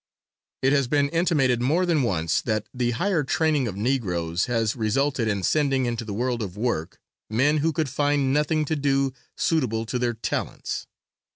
It has been intimated more than once that the higher training of Negroes has resulted in sending into the world of work, men who could find nothing to do suitable to their talents.